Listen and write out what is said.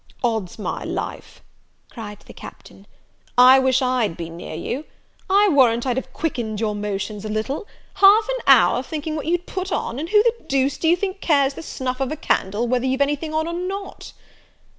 "Odds my life," cried the Captain, "I wish I'd been near you! I warrant I'd have quickened your motions a little; Half an hour thinking what you'd put on; and who the deuce do you think cares the snuff of a candle whether you've any thing on or not?"